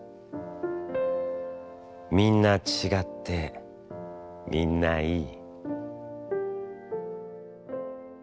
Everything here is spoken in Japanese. みんなちがって、みんないい」。